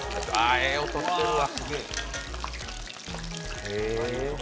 ええ音してるわ。